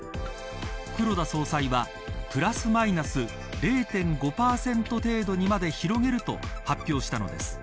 黒田総裁はプラスマイナス０．５％程度にまで広げると発表したのです。